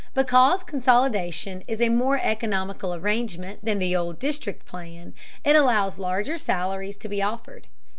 Because consolidation is a more economical arrangement than the old district plan, it allows larger salaries to be offered.